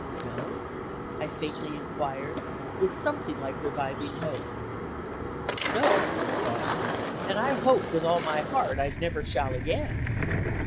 "No?" I faintly inquired, with something like reviving hope. "No," said Clark, "and I hope, with all my heart, I never shall again."